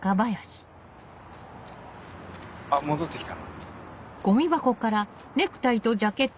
あっ戻ってきた。